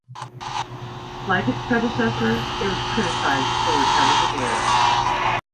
Like its predecessor, it was criticized for repetitive lyrics.